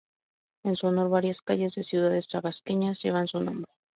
En su honor varias calles de ciudades tabasqueñas, llevan su nombre.